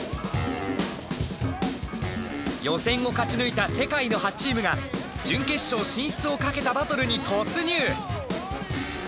予選を勝ち抜いた世界の８チームが準決勝進出をかけたバトルに突入。